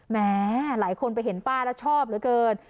แหมหลายคนไปเห็นป้าแล้วชอบเหลือเกิน